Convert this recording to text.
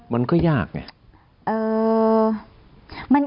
มันก็ยากไง